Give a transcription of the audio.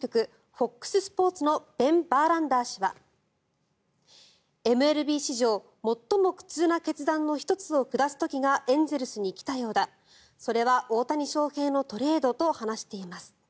ＦＯＸスポーツのベン・バーランダー氏はＭＬＢ史上最も苦痛な決断の１つを下す時がエンゼルスに来たようだそれは大谷翔平のトレードと話しています。